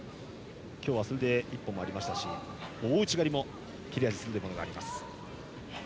今日はそれで一本もありましたし大内刈りも切れ味鋭いものがあります。